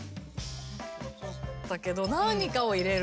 だけど何かを入れる。